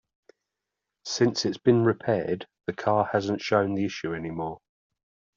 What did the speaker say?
Since it's been repaired, the car hasn't shown the issue any more.